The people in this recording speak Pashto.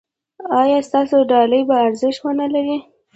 ایا ستاسو ډالۍ به ارزښت و نه لري؟